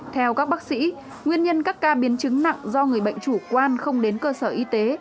theo các bác sĩ nguyên nhân các ca biến chứng nặng do người bệnh chủ quan không đến cơ sở y tế